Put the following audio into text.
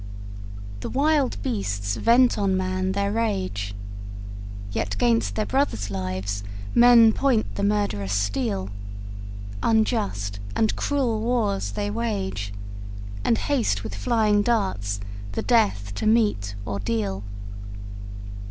The wild beasts vent on man their rage, Yet 'gainst their brothers' lives men point the murderous steel; Unjust and cruel wars they wage, And haste with flying darts the death to meet or deal.